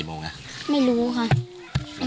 แล้วก็เกงบอลสีแดงค่ะ